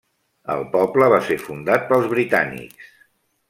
El poble va ser fundat pels britànics.